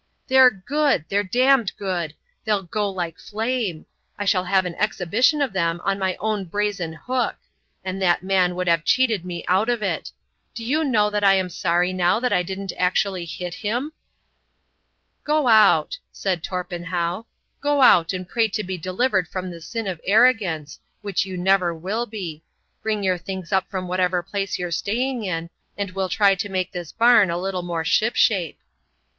"They're good! They're damned good! They'll go like flame! I shall have an exhibition of them on my own brazen hook. And that man would have cheated me out of it! Do you know that I'm sorry now that I didn't actually hit him?" "Go out," said Torpenhow,—"go out and pray to be delivered from the sin of arrogance, which you never will be. Bring your things up from whatever place you're staying in, and we'll try to make this barn a little more shipshape."